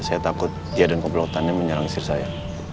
saya takut dia dan keblotannya menyerang istri saya